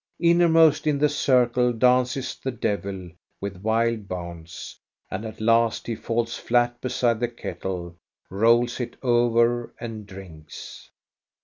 Innermost in the circle dances the devil, with wild bounds; and at last he falls flat beside the kettle, rolls it over, and drinks.